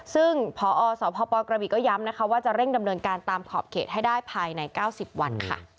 ซึ่งพอสพกระบีก็ย้ำนะคะว่าจะเร่งดำเนินการตามขอบเขตให้ได้ภายใน๙๐วันค่ะ